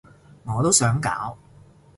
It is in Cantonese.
我都想搞